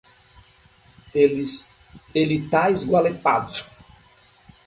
Ele tá esgualepado